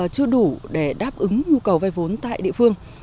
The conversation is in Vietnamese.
chưa đủ để đáp ứng nhu cầu vay vốn tại địa phương